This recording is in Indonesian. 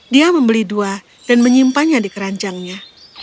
dia membeli dua dan menyimpannya di keranjangnya